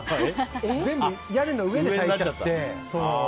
全部屋根の上で育っちゃって。